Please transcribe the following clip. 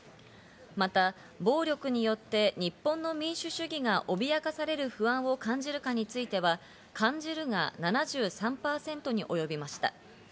また暴力によって日本の民主主義が脅かされる不安を感じるかについては、感じるが７３％に及びました。